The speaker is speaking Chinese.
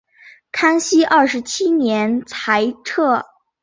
康熙二十七年裁撤。